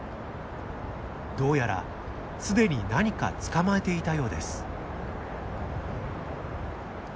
どうやら既に何か捕まえていたようです。